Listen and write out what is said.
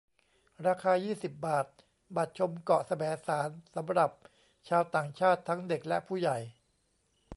ราคา ยี่สิบ บาท บัตรชมเกาะแสมสารสำหรับชาวต่างชาติทั้งเด็กและผู้ใหญ่